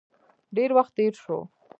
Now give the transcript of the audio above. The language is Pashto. ډیر وخت تیر شو.